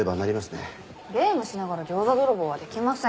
ゲームしながら餃子泥棒はできません。